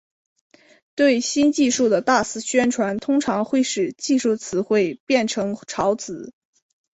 对新技术的大肆宣传通常会使技术词汇变成潮词。